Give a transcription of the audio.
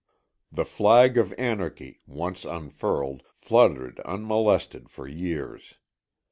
The flag of anarchy, once unfurled, fluttered unmolested for years.